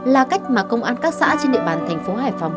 là cách mà công an các xã trên địa bàn thành phố hải phòng